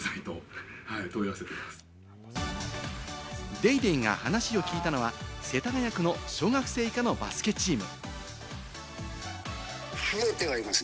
『ＤａｙＤａｙ．』が話を聞いたのは、世田谷区の小学生以下のバスケチーム。